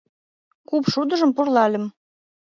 Куп шудыжым пурлальым.